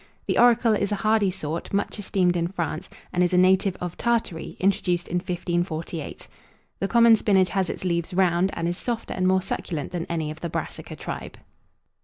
The Oracle is a hardy sort, much esteemed in France, and is a native of Tartary, introduced in 1548. The common spinach has its leaves round, and is softer and more succulent than any of the Brassica tribe.